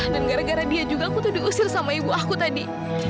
dan gara gara dia juga aku tuh diusir sama ibu aku tadi